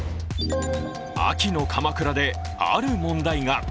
秋の鎌倉である問題が。